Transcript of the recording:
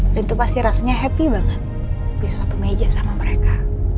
dan itu pasti rasanya happy banget bisa satu meja sama mereka